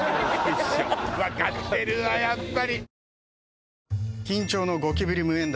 わかってるわやっぱり！